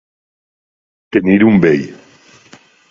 Tenir un bei.